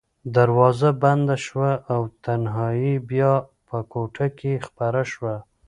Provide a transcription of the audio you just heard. دروازه بنده شوه او تنهایي بیا په کوټه کې خپره شوه.